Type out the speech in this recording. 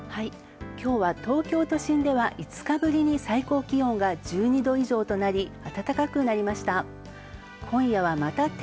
今日は東京都心では５日ぶりに最高気温が１２度以上となり暖かくなりました。